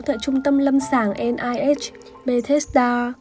tại trung tâm lâm sàng nih bethesda